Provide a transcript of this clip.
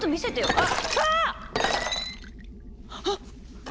あっ！